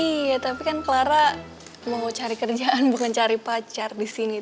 iya tapi kan clara mau cari kerjaan bukan cari pacar di sini